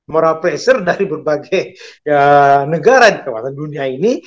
moral pressure dari berbagai negara di kawasan dunia ini